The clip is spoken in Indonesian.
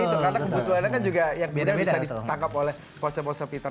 karena kebutuhannya kan juga yang beda bisa ditangkap oleh ponsel ponsel lain